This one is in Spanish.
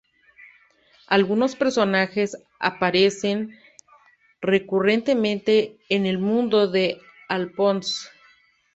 Algunos personajes aparecen recurrentemente en el mundo de Alphonse.